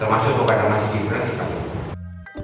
termasuk kepada mas gibran sekarang